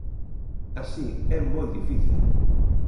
Así é moi difícil.